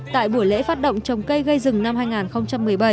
tại buổi lễ phát động trồng cây gây rừng năm hai nghìn một mươi bảy